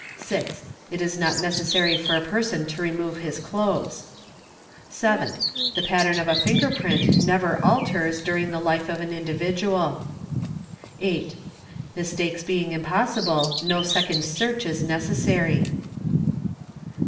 6. It is not necessary for a person to remove his clothes. 7. The pattern of a finger print never alters during the life of an individual. | 8. Mistakes being impossible, no second search is necessary.